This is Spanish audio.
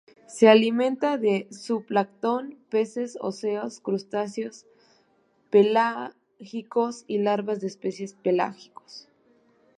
Se alimenta de zooplancton, peces óseos, crustáceos pelágicos y larvas de peces pelágicos.